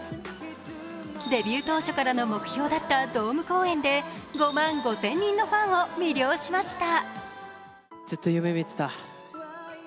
デビュー当初からの目標だったドーム公演で５万５０００人のファンを魅了しました